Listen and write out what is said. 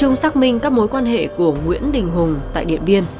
hùng xác minh các mối quan hệ của nguyễn đình hùng tại điện biên